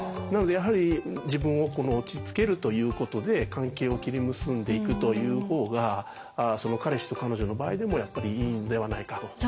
なのでやはり自分を落ち着けるということで関係を切り結んでいくという方がその彼氏と彼女の場合でもやっぱりいいんではないかと。